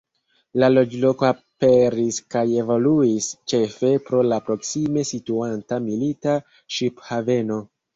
La loĝloko aperis kaj evoluis ĉefe pro la proksime situanta milita ŝip-haveno.